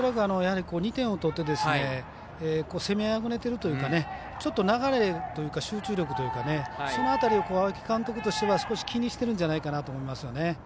２点を取って攻めあぐねているというかちょっと流れ、集中力というかその辺り青木監督としては気にしてるんじゃないかなと思いますよね。